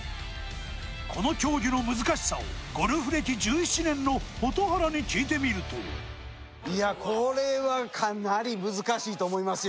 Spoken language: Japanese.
この競技の難しさをゴルフ歴１７年の蛍原に聞いてみるといやこれはと思いますよ